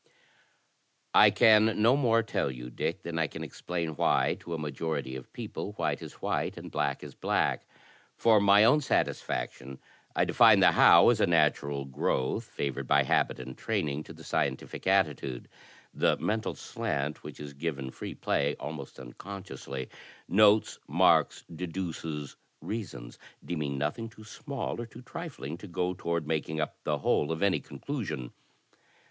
" I can no more tell you, Dick, than I can explain why, to a majori ty of people, white is white and black is black. For my own satisfac tion I define the 'how' as a natural growth, favored by habit and training, of the scientific attitude; the mental slant which, if given free play, almost unconsciously notes, marks, deduces, reasons; deem ing nothing too small or too trifling to go toward making up the whole of any conclusion.